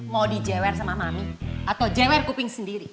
mau dijewer sama mami atau jewer kuping sendiri